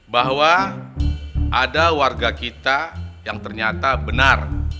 bahwa ada warga kita yang ternyata benar